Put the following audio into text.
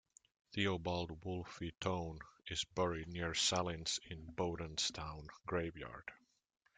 Theobald Wolfe Tone is buried near Sallins in Bodenstown graveyard.